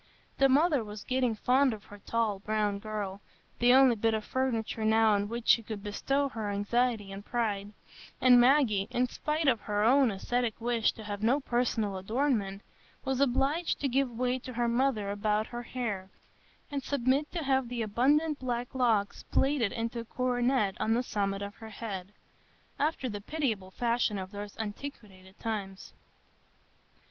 The mother was getting fond of her tall, brown girl,—the only bit of furniture now on which she could bestow her anxiety and pride; and Maggie, in spite of her own ascetic wish to have no personal adornment, was obliged to give way to her mother about her hair, and submit to have the abundant black locks plaited into a coronet on the summit of her head, after the pitiable fashion of those antiquated times.